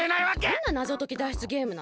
どんななぞとき脱出ゲームなの？